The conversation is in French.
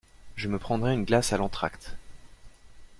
Je me prendrai une glace à l'entracte.